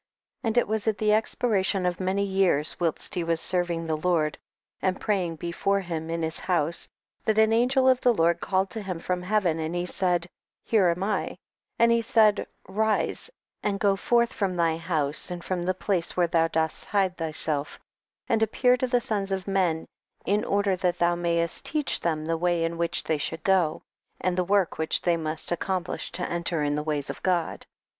3. And it was at the expiration of many years, whilst he was serving the Lord, and praying before him in his house, that an angel of the Lord called to him from Heaven, and he said, here am L 4. And he said, ris^, go forth from thy house and from the place where thou dost hide thyself, and appear to the sons of men, in order that thou may St teach them the way in which they should go, and the work which they must accomplish to enter in the ways of God.